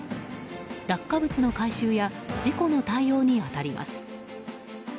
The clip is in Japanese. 落下物の回収や事故の対応に当たります。